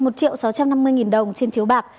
một triệu sáu trăm năm mươi đồng trên chiếu bạc